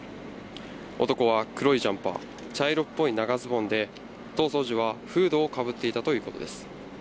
男は黒いジャンパー、茶色っぽい長ズボンで、逃走時はフードをかぶっていたということです。